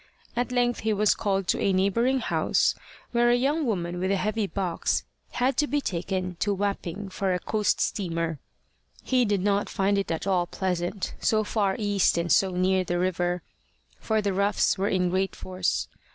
At length he was called to a neighbouring house, where a young woman with a heavy box had to be taken to Wapping for a coast steamer. He did not find it at all pleasant, so far east and so near the river; for the roughs were in great force.